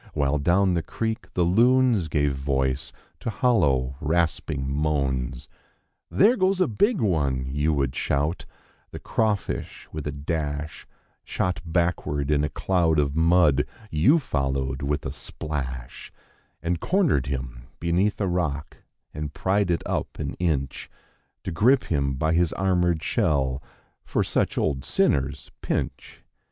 While down the creek the loons gave voice to low, rasping moans. There goes a big one!' you would shout, crawfish with a Shot backward in a of mud; you followed with a And cornered him beneath a pried it up an inch To grip him by his armored such old sinners pinch.